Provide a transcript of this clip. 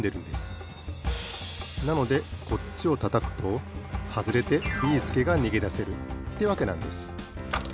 なのでこっちをたたくとはずれてビーすけがにげだせるってわけなんです。